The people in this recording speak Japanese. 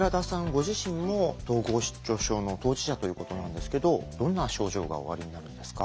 ご自身も統合失調症の当事者ということなんですけどどんな症状がおありになるんですか？